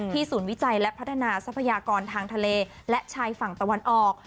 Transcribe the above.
ศูนย์วิจัยและพัฒนาทรัพยากรทางทะเลและชายฝั่งตะวันออก